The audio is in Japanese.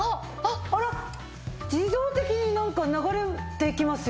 あら自動的になんか流れていきますよ？